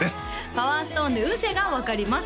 パワーストーンで運勢が分かります